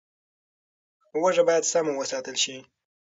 هوږه باید سم وساتل شي.